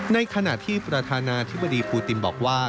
ในขณะที่ประธานาธิบดีปูตินบอกว่า